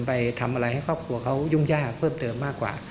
ไปทำอะไรให้ครอบครัวเขายุ่งยากเพิ่มเติมมากกว่า